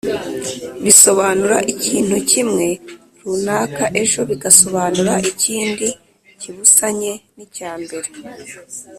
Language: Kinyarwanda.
bisobanura ikintu kimwe runaka ejo bigasobanura ikindi kibusanye n’icya mbere